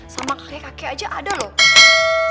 sama kakek kakek aja aja abegi yang nikah sama om om ya